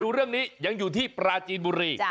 ดูเรื่องนี้ยังอยู่ที่ปราจีนบุรี